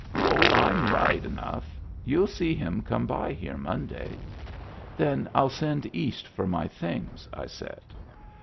" Oh, I'm right enough. You'll see him come by here Monday." " Then I'll send East for my things," I said.